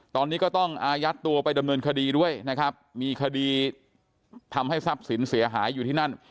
ตอนนี้ก็ต้องอายัดตัวไปดำเนินคดีด้วยนะครับมีคดีทำให้ทรัพย์สินเสียหายอยู่ที่นั่น